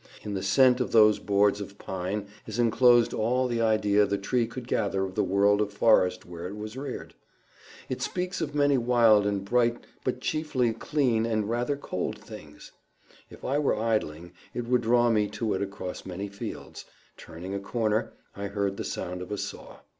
In the scent of those boards of pine is enclosed all the idea the tree could gather of the world of forest where it was reared. It speaks of many wild and bright but chiefly clean and rather cold things. If I were idling, it would draw me to it across many fields.—Turning a corner, I heard the sound of a saw.